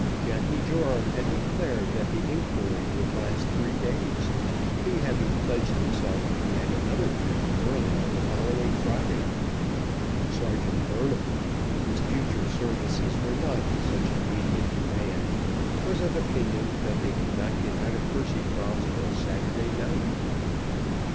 Jacky Joram had declared that the inquiry would last three days, he having pledged himself to be at another town early on the following Friday. Serjeant Burnaby, whose future services were not in such immediate demand, was of opinion that they would not get out of Percycross till Saturday night.